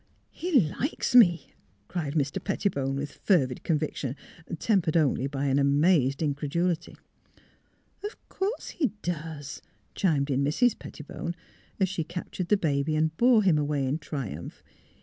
'' He likes me !" cried Mr. Pettibone, with fer vid conviction, tempered only by an amazed in credulity. *' Of course he does! " chimed in Mrs. Petti bone, as she captured the baby and bore him away in triumph.